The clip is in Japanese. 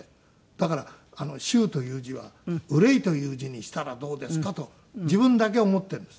だから「終」という字は「愁い」という字にしたらどうですか？と自分だけ思っているんです。